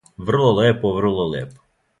Врло лепо, врло лепо!